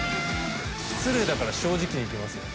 失礼だから正直にいきますよ。